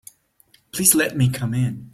Please let me come in.